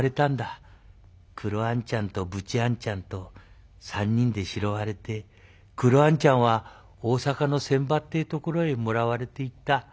クロあんちゃんとブチあんちゃんと３人で拾われてクロあんちゃんは大坂の船場ってところへもらわれていった。